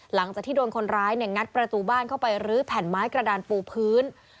หลังจากที่โดนคนร้ายเนี่ยงัดประตูบ้านเข้าไปรื้อแผ่นไม้กระดานปูพื้น